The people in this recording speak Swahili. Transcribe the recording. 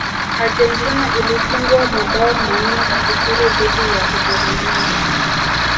argentina ilifungwa mabao manne kwa sifuri dhidi ya ujerumani